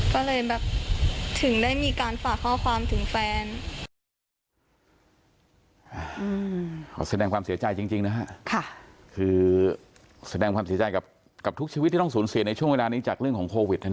ก็เลยแบบถึงได้มีการฝากข้อความถึงแฟน